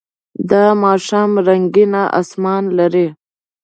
دا ماښام رنګین آسمان لري.